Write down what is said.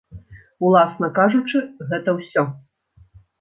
Уласна кажучы, гэта ўсё.